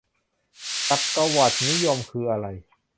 จักรวรรดินิยมคืออะไร ?